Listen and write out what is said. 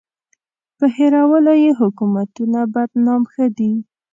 په هېرولو یې حکومتونه بدنام ښه دي.